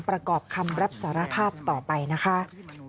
ประกอบคำรับสารภาพต่อไปนะคะ